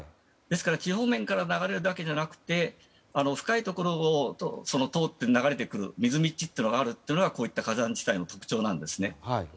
地表面から流れるだけでなく深いところを通って流れてくる水みちというのがあるというのがこういった火山地帯の特徴なんです。